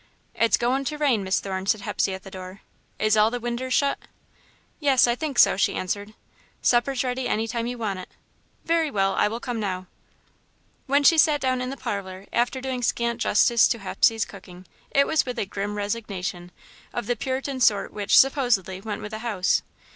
"It's goin' to rain, Miss Thorne," said Hepsey, at the door. "Is all the winders shut?" "Yes, I think so," she answered. "Supper's ready any time you want it." "Very well, I will come now." When she sat down in the parlour, after doing scant justice to Hepsey's cooking, it was with a grim resignation, of the Puritan sort which, supposedly, went with the house.